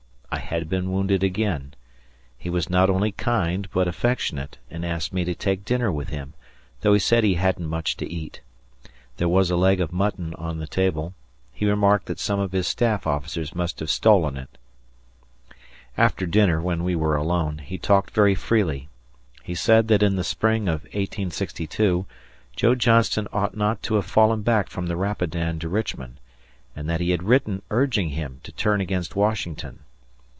I had been wounded again. He was not only kind, but affectionate, and asked me to take dinner with him, though he said he hadn't much to eat. There was a leg of mutton on the table; he remarked that some of his staff officers must have stolen it. After dinner, when we were alone, he talked very freely. He said that in the spring of 1862, Joe Johnston ought not to have fallen back fromthe Rapidan to Richmond, and that he had written urging him to turn against Washington.